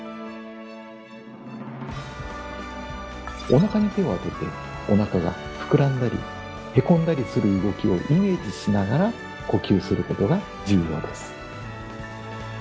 お腹に手を当ててお腹が膨らんだりへこんだりする動きをイメージしながら呼吸することが重要です。